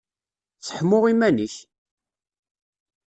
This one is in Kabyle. Seḥmu iman-ik!